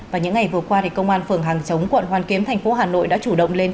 và những ngày vừa qua công an phường hàng chống quận hoàn kiếm thành phố hà nội đã chủ động lên